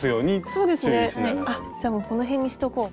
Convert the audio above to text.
そうですねじゃあもうこの辺にしとこう。